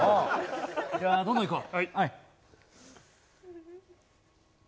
じゃあ、どんどんいこう。